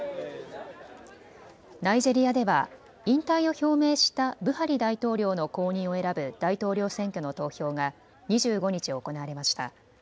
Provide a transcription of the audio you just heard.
ナイジェリアでは引退を表明したブハリ大統領の後任を選ぶ大統領選挙の投票が２５日、行われました。